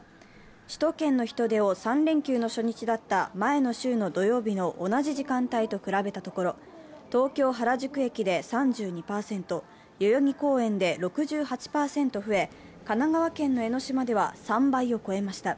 首都圏の人出を３連休の初日だった前の週の同じ時間帯と比べたところ、東京・原宿駅で３２％、代々木公園で６８％増え、神奈川県の江の島では３倍を超えました。